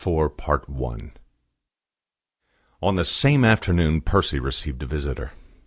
CHAPTER IV I On the same afternoon Percy received a visitor.